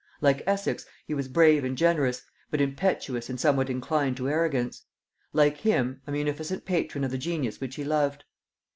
Like Essex, he was brave and generous, but impetuous and somewhat inclined to arrogance: like him, a munificent patron of the genius which he loved.